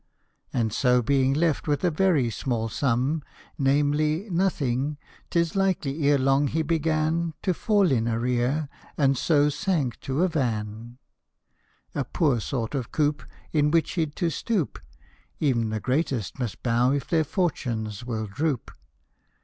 And so being left with a very small sum, Namely, nothing, 't is likely ere long he began To fall in arrear and so sank to a van, A poor sort of coop In which he 'd to stoop (E'en the greatest must bow if their fortunes will droop).